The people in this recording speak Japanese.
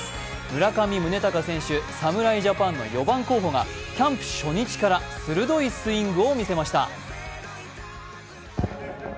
村上宗隆選手、侍ジャパンの４番候補がキャンプ初日から鋭いスイングを見せました。